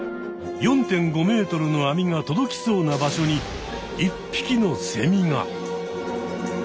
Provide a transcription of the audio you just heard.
４．５ｍの網が届きそうな場所に一匹のセミが！